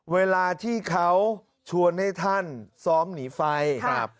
เวลาที่เขาชวนให้ท่านซ้อมหนีไฟครับ